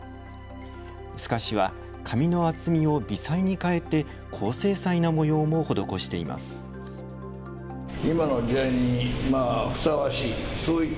すかしは紙の厚みを微細に変えて高精細な模様も施しています。